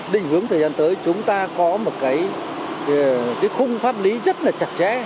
định hướng thời gian tới chúng ta có một cái khung pháp lý rất là chặt chẽ